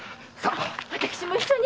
私も一緒に。